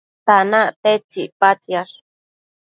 tanac tedtsi icpatsiash?